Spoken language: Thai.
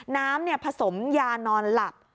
น้ำผสมยานอนหลับ